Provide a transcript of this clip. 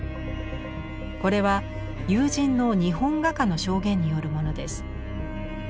これは友人の日本画家の証言によるものです。